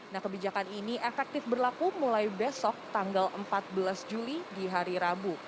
nah kebijakan ini efektif berlaku mulai besok tanggal empat belas juli di hari rabu